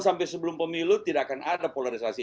sampai sebelum pemilu tidak akan ada polarisasi